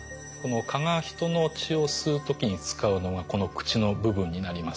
蚊が人の血を吸う時に使うのがこの口の部分になります。